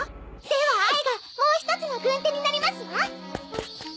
ではあいがもう一つの軍手になりますわ！